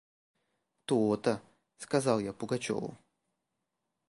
– То-то! – сказал я Пугачеву.